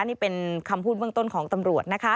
นี่เป็นคำพูดเบื้องต้นของตำรวจนะคะ